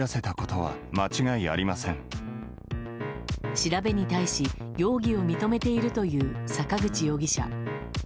調べに対し、容疑を認めているという坂口容疑者。